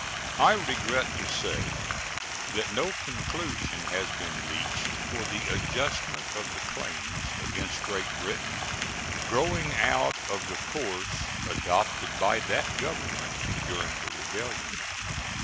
I regret to say that no conclusion has been reached for the adjustment of the claims against Great Britain growing out of the course adopted by that Government during the rebellion.